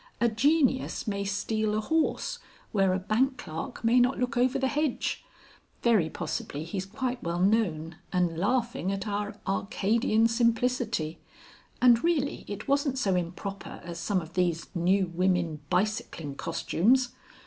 A genius may steal a horse where a bank clerk may not look over the hedge. Very possibly he's quite well known and laughing at our Arcadian simplicity. And really it wasn't so improper as some of these New Women bicycling costumes.